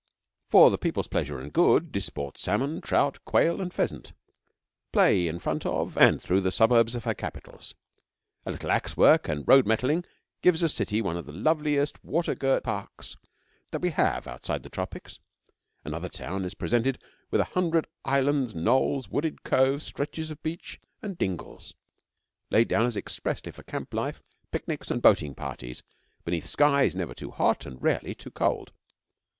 For the people's pleasure and good disport salmon, trout, quail, and pheasant play in front of and through the suburbs of her capitals. A little axe work and road metalling gives a city one of the loveliest water girt parks that we have outside the tropics. Another town is presented with a hundred islands, knolls, wooded coves, stretches of beach, and dingles, laid down as expressly for camp life, picnics, and boating parties, beneath skies never too hot and rarely too cold.